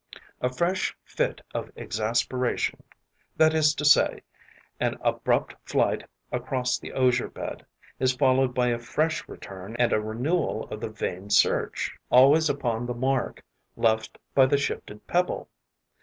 A fresh fit of exasperation, that is to say, an abrupt flight across the osier bed, is followed by a fresh return and a renewal of the vain search, always upon the mark left by the shifted pebble.